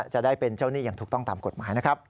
จะได้เป็นเจ้าหนี้อย่างถูกต้องตามกฎหมายนะครับ